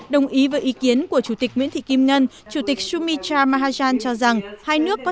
đồng ý với ý kiến của chủ tịch nguyễn thị kim ngân chủ tịch sumitra mahan cho rằng hai nước có